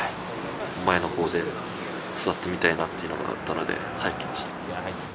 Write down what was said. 前のほうで座って見たいなというのがあったので、早く来ました。